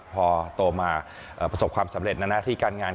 พอโตมาประสบความสำเร็จในหน้าที่การงาน